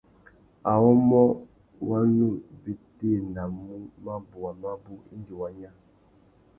Awômô wa nu bétēnamú mabôwa mabú indi wa nya.